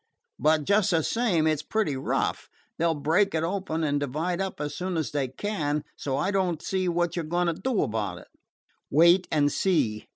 But, just the same, it 's pretty rough. They 'll break it open and divide up as soon as they can, so I don't see what you 're going to do about it." "Wait and see."